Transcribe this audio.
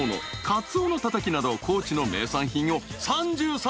カツオのたたきなど高知の名産品を３３点